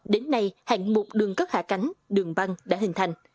đến nay hạng mục đường cất hạ cánh đường băng đã hình thành